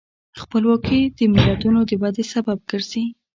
خپلواکي د ملتونو د ودې سبب ګرځي.